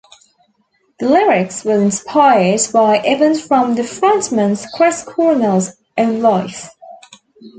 The lyrics were inspired by events from the frontman's, Chris Cornell's, own life.